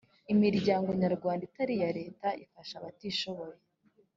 imiryango nyarwanda itari iya leta ifasha abatishoboye